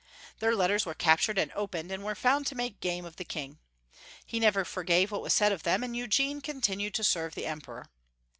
Their let ters were captured and opened, and were found to make game of the King. He never forgave what was said of him, and Eugene continued to serve the Emperor.